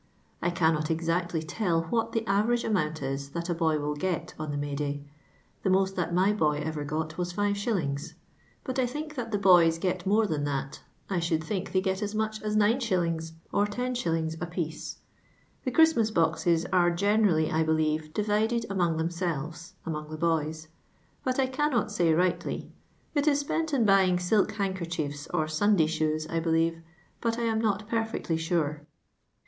I cannot exactly tell what the avercige amount il that a boy will get on the May day ; the nUMt that my b«iy e\er uut was 5»*. Hut I tbink thit the boys get mt)re than that ; I should think tbcT get as mui h as !>.<. or lOx. apiece. The Christms> lioxes are g Mierirly, I believe, divided amom then).«elves (amoni; the boy.<') ; but I cannot BT rightly. It i.s .'^jieiit in buying silk handkerchie&t or Siniday shoes, I believe ; but I am not per fiH 'tly sure."